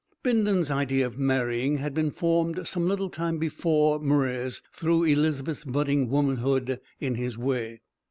Bindon's idea of marrying had been formed some little time before Mwres threw Elizabeth's budding womanhood in his way.